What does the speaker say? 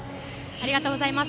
ありがとうございます。